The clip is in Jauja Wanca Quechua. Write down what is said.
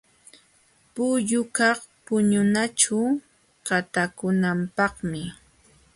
Pullukaq puñunaćhu qatakunapaqmi.